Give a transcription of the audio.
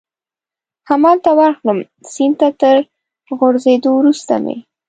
همالته ورغلم، سیند ته تر غورځېدو وروسته مې.